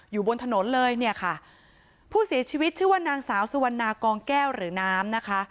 อยู่บนถนนเลยเนี่ยค่ะผู้เสียชีวิตชื่อว่านางสาวสุวรรณากองแก้วหรือน้ำนะคะ